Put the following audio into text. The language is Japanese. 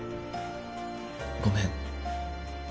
ごめん。